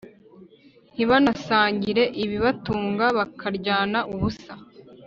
Ntibanasangire ibibatunga bakaryana ubusa